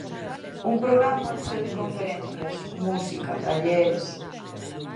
Un programa cheo de conferencias, música, talleres...